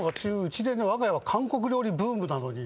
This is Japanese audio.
わが家は韓国料理ブームなのに。